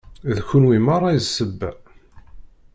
D kunwi merra i d ssebba.